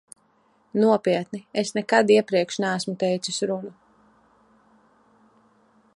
Nopietni, es nekad iepriekš neesmu teicis runu.